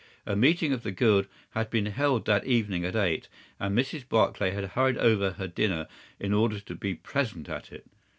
A meeting of the Guild had been held that evening at eight, and Mrs. Barclay had hurried over her dinner in order to be present at it.